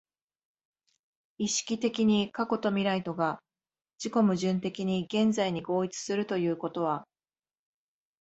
意識的に過去と未来とが自己矛盾的に現在に合一するということは、